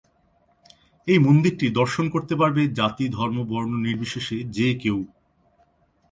এই মন্দিরটি দর্শন করতে পারবে জাতি-ধর্ম-বর্ণ নির্বিশেষে যে কেউ।